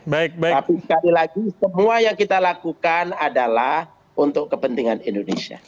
tapi sekali lagi semua yang kita lakukan adalah untuk kepentingan indonesia